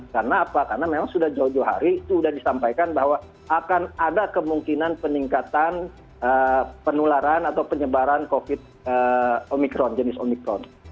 karena apa karena memang sudah jauh jauh hari sudah disampaikan bahwa akan ada kemungkinan peningkatan penularan atau penyebaran covid omikron jenis omikron